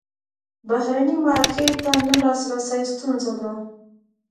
بهرني مارکیټ ته نه لاسرسی ستونزه ده.